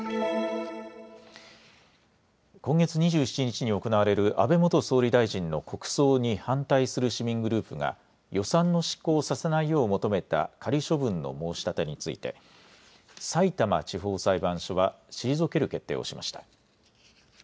今月２７日に行われる安倍元総理大臣の国葬に反対する市民グループが予算の執行をさせないよう求めた仮処分の申し立てについてさいたま地方裁判所は退ける決定をしました。